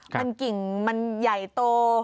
มันกิ่งมันใหญ่โต